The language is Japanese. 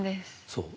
そう。